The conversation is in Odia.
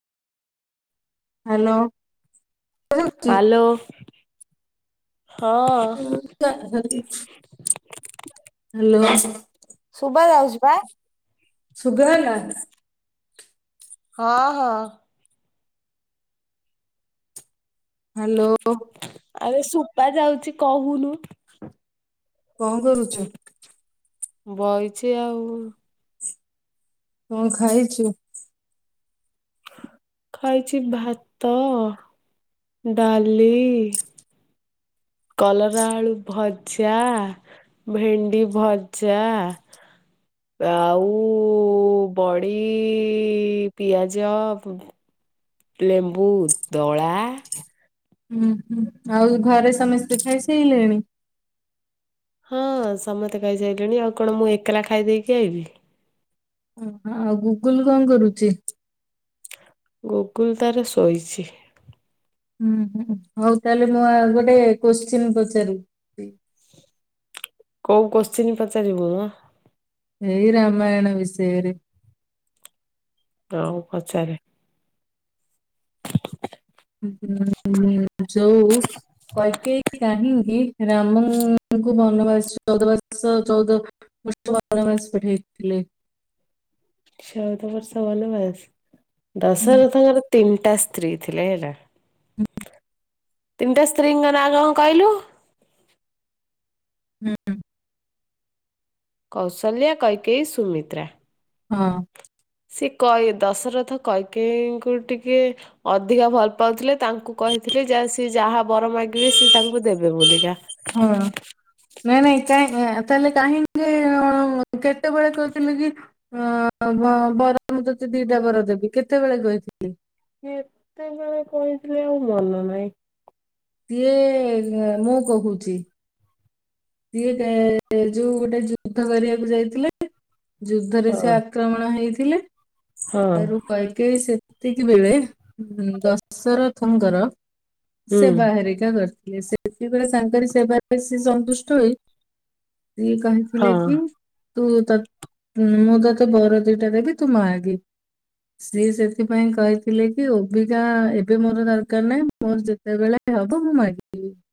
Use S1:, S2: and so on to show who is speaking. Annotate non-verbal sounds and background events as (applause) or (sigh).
S1: ହ୍ୟାଲୋ। ଶୁଭୁଚି?
S2: ହ୍ୟାଲୋ। ହଁ
S1: (inaudible)
S2: (inaudible)
S1: ହ୍ୟାଲୋ।
S2: ସୁଭା ଜାଉଛି ପା।
S1: ଶୁଭା ହେଲା?
S2: ହଁ ହଁ।
S1: ହାଲୋ।
S2: ଆରେ ସୁବା ଯାଉଚି କହୁନୁ।
S1: କଣ କରୁଚୁ?
S2: ବଇଚି ଆଉ।
S1: କଣ ଖାଇଚୁ?
S2: ଖାଇଚି ଭାତ ଡାଲି। କଲରା ଆଳୁ ଭଜା, ଭେଣ୍ଡି ଭଜା ଆଉ ବଡି ପିଆଜ, ଲେମ୍ବୁ ଦଳା।
S1: ହୁଁ ହୁଁ, ଆଉ ଘରେ ସମସ୍ତେ ଖାଇସାଇଲେଣି?
S2: ହଁ ସମସ୍ତେ ଖାଇସାଇଲେଣି ଆଉ କଣ ମୁଁ ଏକଲା ଖାଇ ଦେଇକି ଆଇଲି।
S1: ଓ ଆଉ ଗୁଗୁଲ କଣ କରୁଚି?
S2: ଗୁଗୁଲ୍ ତାର ଶୋଇଛି।
S1: ହୁଁ ହୁଁ ହଉ ତାହେଲେ ମୁଁ ଆ ଗୋଟେ କୋଶ୍ଚିନ୍ ପଚାରିବି।
S2: କୋଉ କୋଶ୍ଚିନ୍ ପଚାରିବୁ ମ।
S1: ସେଇ ରାମାୟଣ ବିଷୟରେ।
S2: ହଉ ପଚାରେ।
S1: ହୁଁ ହୁଁ ହୁଁ ଯଉ କୈକେୟୀ କାହିଁ କି ରାମଙ୍କୁ ବନବାସ ଚଉଦ ବର୍ଷ ଚଉଦ ବର୍ଷ ବନବାସ ପଠେଇଥିଲେ?
S2: ଚଉଦ ବର୍ଷ ବନବାସ। ଦଶରଥଙ୍କର ତିନି ଟା ସ୍ତ୍ରୀ ଥିଲେ ହେଲା। ତିନିଟା ସ୍ତ୍ରୀଙ୍କ ନାଁ କ କଂ କହିଲୁ?
S1: ହୁଁ।
S2: କୌଶଲ୍ୟା, କୈକେଇ, ସୁମିତ୍ରା।
S1: ହଁ।
S2: ସେ କୈ ଦଶରଥ କୈକେୟୀଙ୍କୁ ଟିକେ ଅଧିକା ଭଲ ପାଉଥିଲେ ତାଙ୍କୁ କହିଥିଲେ ଯା ସିଏ ଯାହା ବର ମାଗିବେ ସେ ତାଙ୍କୁ ଦେବେ ବୋଲିକା।
S1: ହଁ ନାଇଁ ନାଇଁ କାହିଁ ଏ, ତାହେଲେ କାହିଁକି? କେତେବେଳେ କହିଥିଲେ କି? ହଁ ବର ମୁଁ ତତେ ଦିଟା ବର ଦେବି କେତେବେଳେ କହିଥିଲି?
S2: କେତେବେଳେ କହିଥିଲେ ଆଉ ମନ ନାହିଁ।
S1: ସିଏ ମୁଁ କହି ଦଉଚି। ସିଏ ତା ଯୋଉ ଗୋଟେ ଯୁଦ୍ଧ କରିବାକୁ ଯାଇଥିଲେ। ଯୁଦ୍ଧରେ ସେ
S2: ହଁ
S1: ଆକ୍ରମଣ ହେଇ ଥିଲେ।
S2: ହଁ
S1: ତା ରୁ କୈକେୟୀ ସେ ସେତିକିବେଳେେ ହଁ। ଦଶରଥଙ୍କର
S2: ହୁଁ
S1: ସେବା ହେରିକା କରି ଥିଲେ, ସେତେବେଳେ ତାଙ୍କର ସେବାରେ ସେ ସନ୍ତୁଷ୍ଟ ହୋଇ ସିଏ କହିଥିଲେ
S2: ହଁ।
S1: କି ତୁ ତତ୍। ମୁଁ ତୋତେ ବର ଦିଟା ଦେବି ତୁ ମାଗେ ସିଏ ସେଥିପାଇଁ କହିଥିଲେ କି ଓବିକା ଏବେ ମୋର ଦରକାର ନାହିଁ ମୋର ଯେତେବେଳେ ହବ ମୁଁ ମାଗିବି।